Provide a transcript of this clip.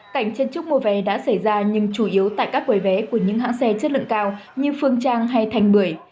cảnh chân trúc mua vé đã xảy ra nhưng chủ yếu tại các quầy vé của những hãng xe chất lượng cao như phương trang hay thành bưởi